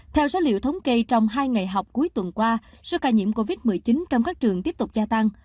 theo số liệu thống kê trong hai ngày học cuối tuần qua số ca nhiễm covid một mươi chín trong các trường tiếp tục gia tăng